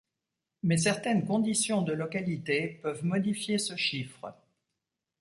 Mais certaines conditions de localité peuvent modifier ce chiffre.